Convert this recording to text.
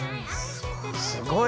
すごいね。